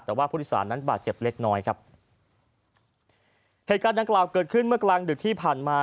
แต่ว่าผู้โดยสารนั้นบาดเจ็บเล็กน้อยครับเหตุการณ์ดังกล่าวเกิดขึ้นเมื่อกลางดึกที่ผ่านมา